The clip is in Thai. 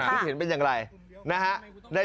คิดเห็นเป็นอย่างไรนะฮะ